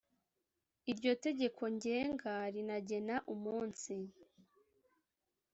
Iryo tegeko ngenga rinagena umunsi